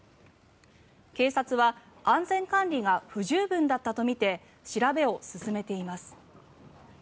警察は安全管理が不十分だったとみて調べを進めています。